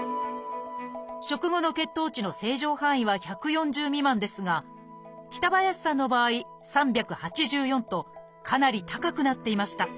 食後の血糖値の正常範囲は１４０未満ですが北林さんの場合３８４とかなり高くなっていました。